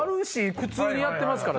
普通にやってますから。